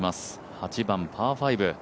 ８番パー５。